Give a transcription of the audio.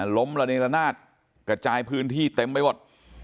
ระเนรนาศกระจายพื้นที่เต็มไปหมด